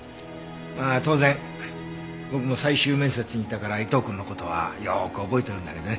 まあ当然僕も最終面接にいたから江藤くんの事はよく覚えてるんだけどね。